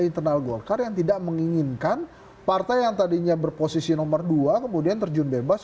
internal golkar yang tidak menginginkan partai yang tadinya berposisi nomor dua kemudian terjun bebas